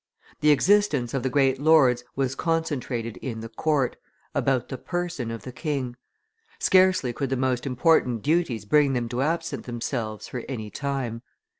The existence of the great lords was concentrated in the court, about the person of the king. Scarcely could the most important duties bring them to absent themselves for any time.